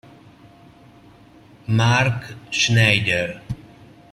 Marc Schneider